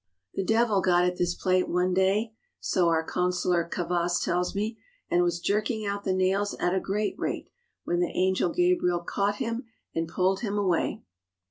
"The devil got at this plate one day," so our consular kavass tells me, "and was jerking out the nails at a great rate when the Angel Gabriel caught him and pulled him away."